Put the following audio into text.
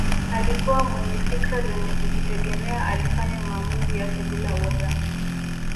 Alikuwa mwenye fikra zenye kujitegemea alifanya maamuzi yake bila woga